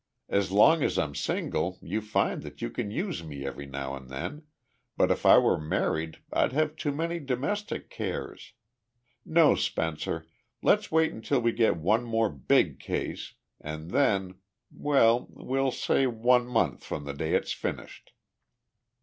As long as I'm single you find that you can use me every now and then, but if I were married I'd have too many domestic cares. No, Spencer, let's wait until we get one more BIG case, and then well, we'll say one month from the day it's finished."